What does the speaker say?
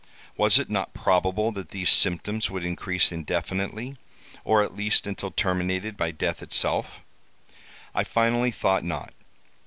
Was it not probable that these symptoms would increase indefinitely, or at least until terminated by death itself? I finally thought not.